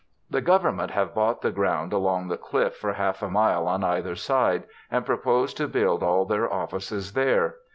The Government have bought the ground along the cliff for half a mile on either side, and propose to build all their offices there.